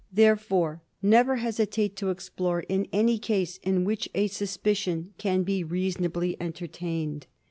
Therefore never hesitate to ex plore in any case in which a suspicion can be reasonably entertained.